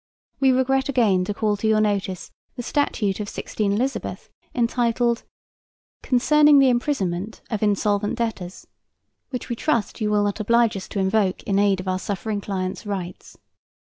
We regret again to call to your notice the Statute of 16 Eliz., entitled, "Concerning the Imprisonment of Insolvent Debtors," which we trust you will not oblige us to invoke in aid of our suffering client's rights.